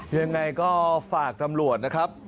ยังไงก็ฝากตำรวจนะครับ